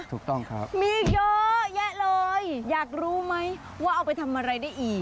ถูกต้องครับมีเยอะแยะเลยอยากรู้ไหมว่าเอาไปทำอะไรได้อีก